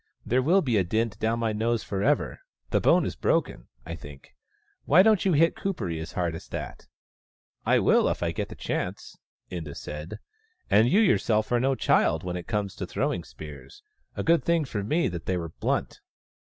" There will be a dint down my nose for ever — the bone is broken, I think. Why don't you hit Kuperee as hard as that ?"" I will, if I get the chance," Inda said. " And you yourself are no child when it comes to throwing spears — a good thing for me that they were blunt.